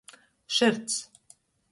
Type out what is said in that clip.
Šyrcs.